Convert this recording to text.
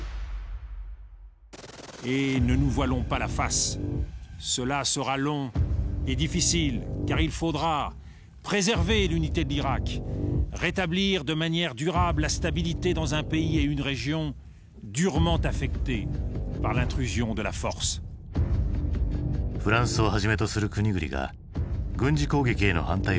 フランスをはじめとする国々が軍事攻撃への反対を表明。